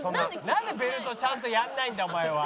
なんでベルトちゃんとやんないんだお前は。